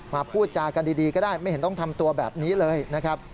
พูดจากันดีก็ได้ไม่เห็นต้องทำตัวแบบนี้เลยนะครับ